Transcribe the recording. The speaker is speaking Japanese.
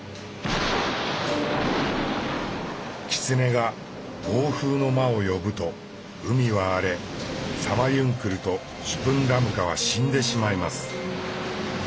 狐が「暴風の魔」を呼ぶと海は荒れサマユンクルとシュプンラムカは死んでしまいます。